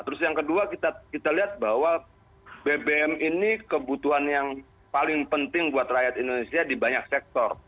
terus yang kedua kita lihat bahwa bbm ini kebutuhan yang paling penting buat rakyat indonesia di banyak sektor